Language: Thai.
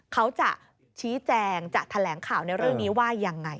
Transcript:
เขาจะชี้แจงจะแถลงข่าวในเรื่องนี้ว่ายังไง